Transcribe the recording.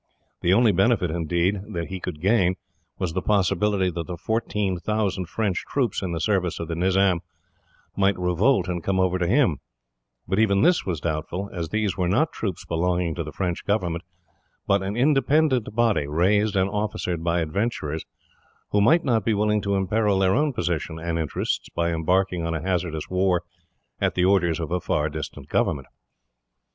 The only benefit, indeed, that he could gain, was the possibility that the fourteen thousand French troops, in the service of the Nizam, might revolt and come over to him; but even this was doubtful, as these were not troops belonging to the French government, but an independent body, raised and officered by adventurers, who might not be willing to imperil their own position, and interests, by embarking on a hazardous war at the orders of a far distant government.